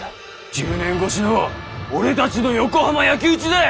１０年越しの俺たちの横浜焼き討ちだい！